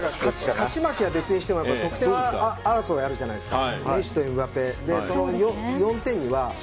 勝ち負けは別にしても得点王争いはあるじゃないですか。